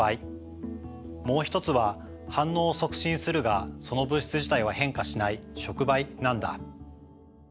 もう一つは反応を促進するがその物質自体は変化しない触媒なんだ。